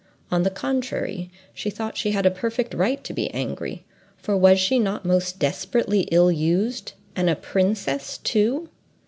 On the contrary, she thought she had a perfect right to be angry, for was she not most desperately ill used—and a princess too?